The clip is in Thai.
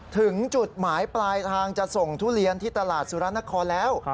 ถึงจุดหมายปลายทางจะส่งทุเรียนที่ตลาดสุรนครแล้ว